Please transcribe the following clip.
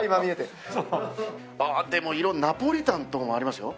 ああでもナポリタンとかもありますよ。